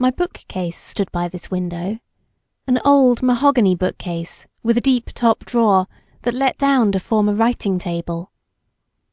My bookcase stood by this window, an old mahogany bookcase with a deep top drawer, that let down to form a writing table.